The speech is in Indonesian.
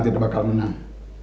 tidak bakal menang